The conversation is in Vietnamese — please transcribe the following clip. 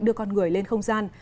đưa con người lên không gian